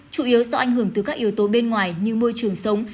chủ yếu do ảnh hưởng từ các yếu tố bên ngoài như môi trường sống